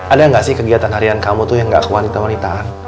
ada ga sih kegiatan harian kamu tuh yang ga kewanita wanitaan